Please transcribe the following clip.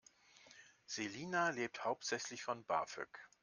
Selina lebt hauptsächlich von BAföG.